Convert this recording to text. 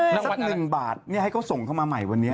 สักหนึ่งบาทให้เขาส่งเข้ามาใหม่วันนี้